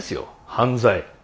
犯罪。